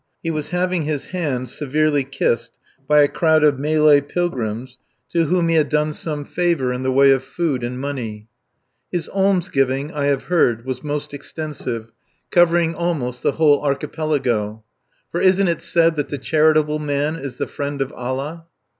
He was having his hand severely kissed by a crowd of Malay pilgrims to whom he had done some favour, in the way of food and money. His alms giving, I have heard, was most extensive, covering almost the whole Archipelago. For isn't it said that "The charitable man is the friend of Allah"?